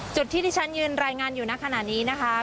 จุดที่ที่ฉันยืนรายงานอยู่ในขณะนี้นะคะ